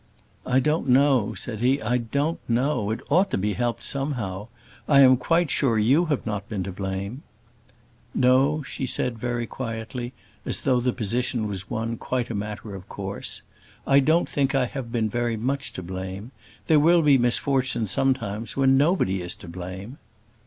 "I don't know," said he; "I don't know it ought to be helped somehow I am quite sure you have not been to blame." "No," said she, very quietly, as though the position was one quite a matter of course. "I don't think I have been very much to blame. There will be misfortunes sometimes when nobody is to blame."